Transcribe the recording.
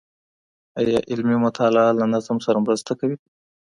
آيا علمي مطالعه له نظم سره مرسته کوي؟